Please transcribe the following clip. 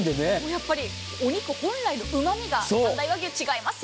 やっぱりお肉本来のうまみが三大和牛、違いますよ。